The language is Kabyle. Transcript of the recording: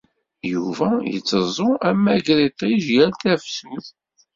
Yuba yetteẓẓu amagriṭij yal tafsut.